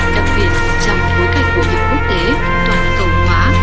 đặc biệt trong bối cảnh công nghiệp quốc tế toàn cầu hóa